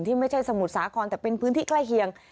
ไม่ใช่สมุทรสาครแต่เป็นพื้นที่ใกล้เคียง